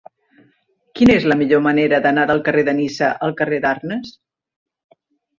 Quina és la millor manera d'anar del carrer de Niça al carrer d'Arnes?